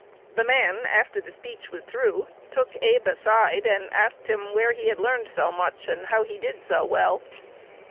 The man, after the speech was through, took Abe aside, and asked him where he had learned so much, and how he did so well.